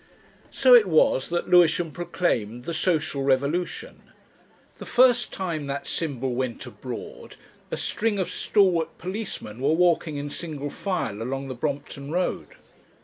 So it was that Lewisham proclaimed the Social Revolution. The first time that symbol went abroad a string of stalwart policemen were walking in single file along the Brompton Road.